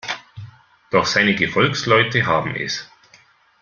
Doch seine Gefolgsleute haben es.